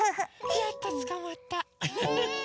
やっとつかまったフフフ。